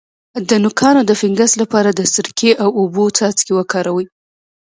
د نوکانو د فنګس لپاره د سرکې او اوبو څاڅکي وکاروئ